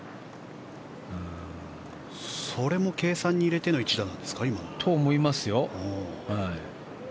それも計算に入れての一打ですか。と思いますよ。